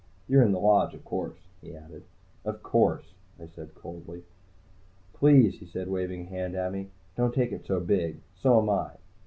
You're in the Lodge, of course?" he added. "Of course," I said coldly. "Please," he said, waving a hand at me. "Don't take it so big. So am I."